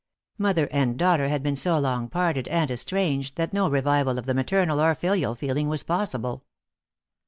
Mother and daughter had been so long parted and estranged, that no revival of the maternal or filial feeling was possible.